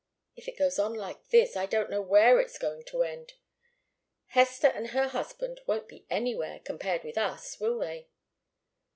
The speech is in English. If it goes on like this I don't know where it's going to end. Hester and her husband won't be anywhere, compared with us, will they?"